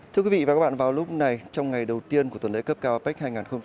thưa quý vị và các bạn vào lúc này trong ngày đầu tiên của tuần lễ cấp cao apec hai nghìn hai mươi